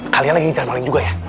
kalian lagi ngintel maling juga ya